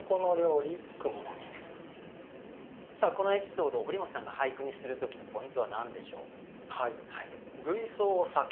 このエピソードを堀本さんが俳句にする時のポイントは何でしょう？